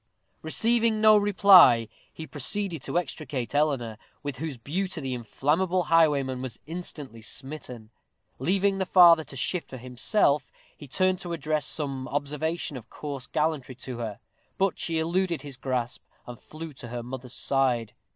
Receiving no reply, he proceeded to extricate Eleanor, with whose beauty the inflammable highwayman was instantly smitten. Leaving the father to shift for himself, he turned to address some observation of coarse gallantry to her; but she eluded his grasp, and flew to her mother's side.